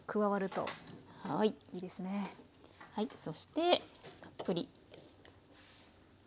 そしてたっぷり。